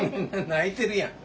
泣いてるやん。